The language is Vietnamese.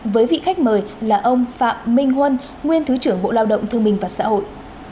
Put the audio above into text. với vị khách mời là ông phạm minh huân nguyên thứ trưởng bộ lao động thương minh và xã hội